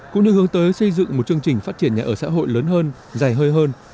cũng như hướng tới xây dựng một chương trình phát triển nhà ở xã hội lớn hơn dài hơi hơn